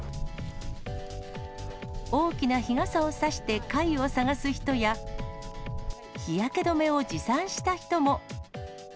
大きな日傘を差して貝を探す人や、日焼け止めを持参した人も。